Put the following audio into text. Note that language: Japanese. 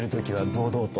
堂々と？